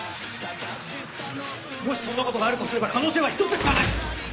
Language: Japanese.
もしそんなことがあるとすれば可能性は１つしかない。